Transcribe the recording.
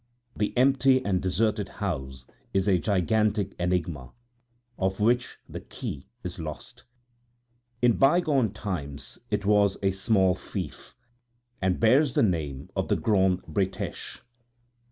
The empty and deserted house is a gigantic enigma, of which the key is lost. In bygone times it was a small fief, and bears the name of the Grande Bretêche.